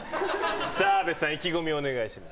澤部さん意気込みをお願いします。